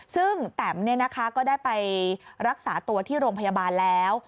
ซึ่งแตมก็ได้ไปรักษาตัวที่โรงพยาบาลแล้ว